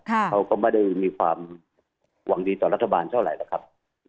เขาก็ไม่ได้มีความหวังดีต่อรัฐบาลเท่าไหร่หรอกครับ